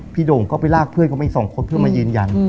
โด่งก็ไปลากเพื่อนเขามาอีก๒คนเพื่อมายืนยัน